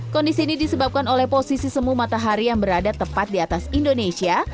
kondisi ini disebabkan oleh posisi semu matahari yang berada tepat di atas indonesia